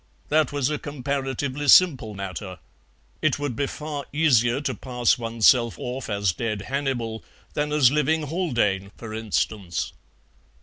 That was a comparatively simple matter. It would be far easier to pass oneself of as dead Hannibal than as living Haldane, for instance."